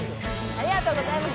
ありがとうございます。